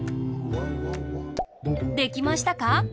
できましたか？